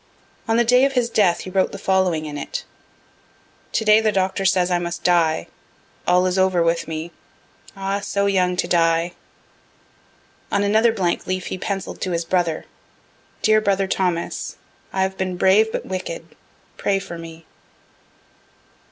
On the day of his death he wrote the following in it, to day the doctor says I must die all is over with me ah, so young to die. On another blank leaf he pencill'd to his brother, _dear brother Thomas, I have been brave but wicked pray for me.